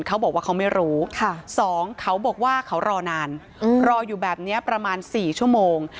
เขาบอกว่าเขาไม่รู้๒เขาบอกว่าเขารอนานรออยู่แบบนี้ประมาณ๔ชั่วโมง